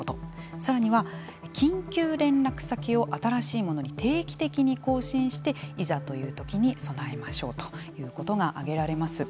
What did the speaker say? さらには、緊急連絡先を新しいものに定期的に更新していざという時に備えましょうということが挙げられます。